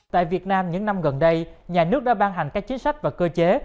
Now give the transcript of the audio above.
tại việt nam những năm gần đây nhà nước đã ban hành các chính sách và cơ chế